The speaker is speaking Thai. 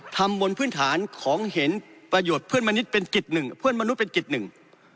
ทำบนพื้นฐานของเห็นประโยชน์เพื่อนมนุษย์เป็นกิตหนึ่ง